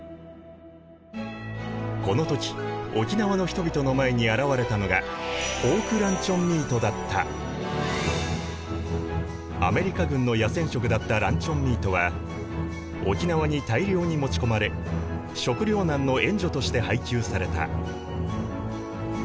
この時沖縄の人々の前に現れたのがアメリカ軍の野戦食だったランチョンミートは沖縄に大量に持ち込まれ食糧難の援助として配給された。